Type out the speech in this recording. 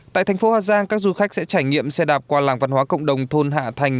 tại thành phố hà giang các du khách sẽ trải nghiệm xe đạp qua làng văn hóa cộng đồng thôn hạ thành